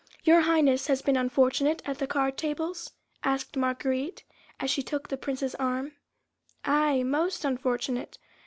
"Your Highness has been unfortunate at the card tables?" asked Marguerite, as she took the Prince's arm. "Aye! most unfortunate.